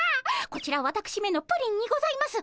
こちらわたくしめのプリンにございます。